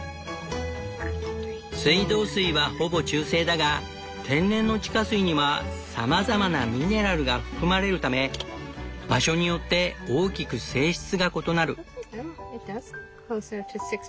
水道水はほぼ中性だが天然の地下水にはさまざまなミネラルが含まれるため場所によって大きく性質が異なる。